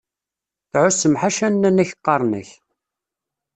Tɛussem ḥaca nnan-ak qqaren-ak!